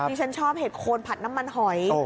ฉันชอบเห็ดโคนผัดน้ำมันหอย